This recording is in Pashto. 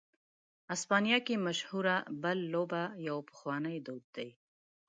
اسپانیا کې مشهوره "بل" لوبه یو پخوانی دود دی.